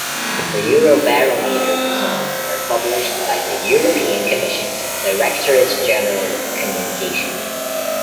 The Eurobarometer results are published by the European Commission's Directorate-General Communication.